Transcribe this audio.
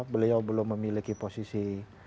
beliau belum memiliki posisi